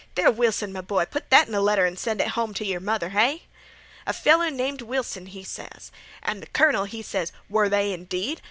There, Wilson, m'boy, put that in a letter an' send it hum t' yer mother, hay? 'A feller named Wilson,' he ses. An' th' colonel, he ses: 'Were they, indeed? Ahem!